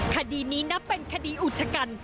คดีนี้นับเป็นคดีอุชกัน